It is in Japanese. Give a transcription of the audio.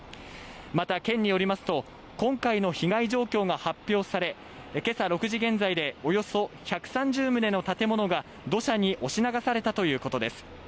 また県によりますと今回の被害状況が発表され、今朝６時現在で、およそ１３０棟の建物が土砂に押し流されたということです。